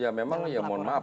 ya memang ya mohon maaf